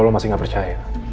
kalo lo masih gak percaya